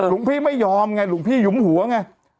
หลวงพี่ไม่ยอมไงหลวงพี่หยุมหัวไง